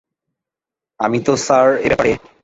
আমি তো স্যার এ ব্যাপারে।